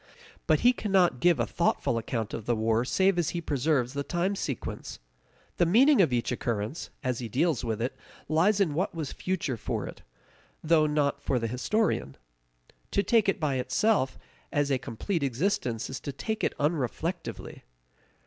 But he cannot give a thoughtful account of the war save as he preserves the time sequence; the meaning of each occurrence, as he deals with it, lies in what was future for it, though not for the historian. To take it by itself as a complete existence is to take it unreflectively.